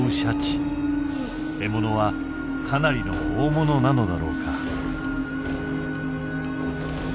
獲物はかなりの大物なのだろうか。